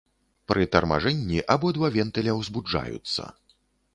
Пры тармажэнні абодва вентыля узбуджаюцца.